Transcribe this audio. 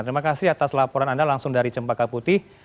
terima kasih atas laporan anda langsung dari cempaka putih